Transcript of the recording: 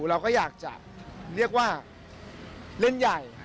เราก็อยากจะเรียกว่าเล่นใหญ่